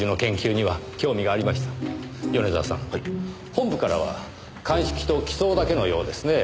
本部からは鑑識と機捜だけのようですねぇ。